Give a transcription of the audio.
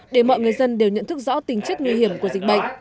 để mọi người dân đều nhận thức rõ tính chất nguy hiểm của dịch bệnh